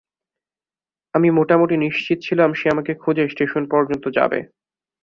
আমি মোটামুটি নিশ্চিত ছিলাম সে আমাকে খুঁজে স্টেশন পর্যন্ত যাবে।